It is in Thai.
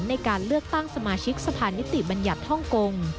ในการเลือกตั้งสมาชิกสะพานนิติบัญญัติฮ่องกง